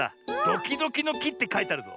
「ドキドキのき」ってかいてあるぞ。